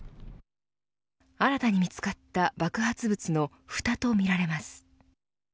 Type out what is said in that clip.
新たに見つかった爆発物のふたとみられます。